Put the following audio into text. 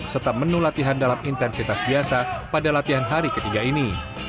serta menu latihan dalam intensitas biasa pada latihan hari ketiga ini